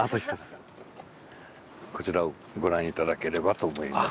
こちらをご覧頂ければと思います。